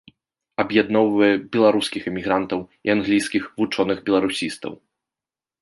Аб'ядноўвае беларускіх эмігрантаў і англійскіх вучоных-беларусістаў.